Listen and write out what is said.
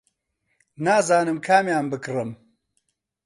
نازانم کامیان بکڕم.